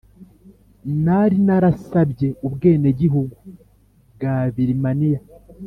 nari narasabye ubwenegihugu bwa Birimaniya